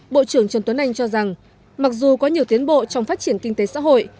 bộ trưởng trần tuấn anh cho rằng mặc dù có nhiều tiến bộ trong phát triển kinh tế xã hội